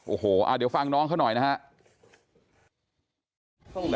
โอ้โหเดี๋ยวฟังน้องเขาหน่อยนะครับ